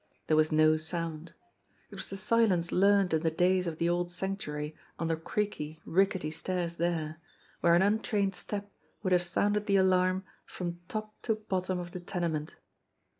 There was no sound. It was the silence learned in the days of the old Sanctuary on tks creaky, rickety stairs there, where an untrained step wouk' have sounded the alarm from top to bottom of the tenement.